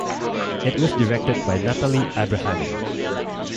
It was directed by Natalie Abrahami.